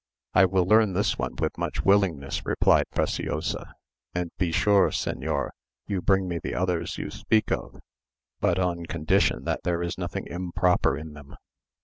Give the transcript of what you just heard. "I will learn this one with much willingness," replied Preciosa; "and be sure, señor, you bring me the others you speak of, but on condition that there is nothing improper in them.